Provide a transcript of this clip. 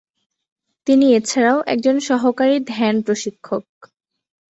তিনি এছাড়াও একজন সহকারী ধ্যান প্রশিক্ষক।